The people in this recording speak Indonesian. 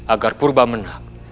agar purba menak